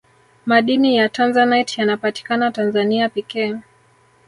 madini ya tanzanite yanapatikana tanzania pekee